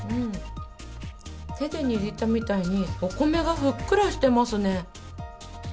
手で握ったみたいにお米がふっくらしてますね。